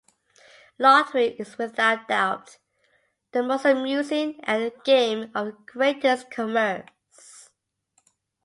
Lottery is without doubt, the most amusing, and the game of the greatest commerce.